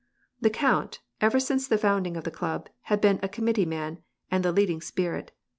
The count, ever since the founding of the club, had been a committee man, and the leading spirit.